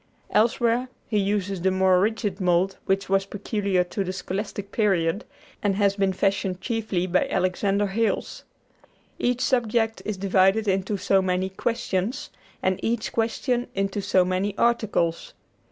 Elsewhere he uses the more rigid mold which was peculiar to the Scholastic Period, and had been fashioned chiefly by Alexander Hales. Each subject is divided into so many "questions," and each question into so many "articles."